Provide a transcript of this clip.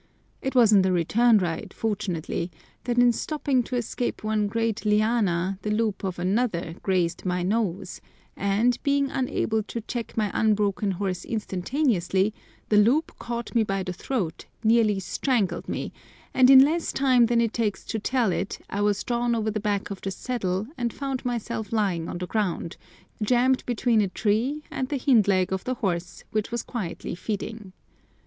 It was on the return ride, fortunately, that in stooping to escape one great liana the loop of another grazed my nose, and, being unable to check my unbroken horse instantaneously, the loop caught me by the throat, nearly strangled me, and in less time than it takes to tell it I was drawn over the back of the saddle, and found myself lying on the ground, jammed between a tree and the hind leg of the horse, which was quietly feeding.